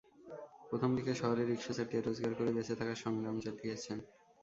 প্রথম দিকে শহরে রিকশা চালিয়ে রোজগার করে বেঁচে থাকার সংগ্রাম চালিয়েছেন।